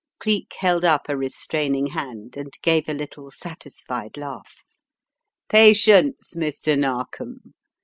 Cleek held up a restraining hand and gave a little satisfied laugh. "Patience, Mr. Narkom.